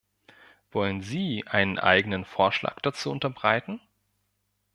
Wollen Sie einen eigenen Vorschlag dazu unterbreiten?